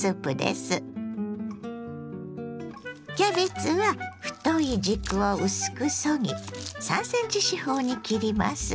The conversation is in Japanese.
キャベツは太い軸を薄くそぎ３ｃｍ四方に切ります。